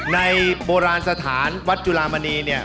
โบราณสถานวัดจุลามณีเนี่ย